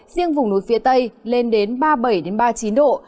riêng vùng núi phía tây lên đến ba mươi bảy ba mươi chín độ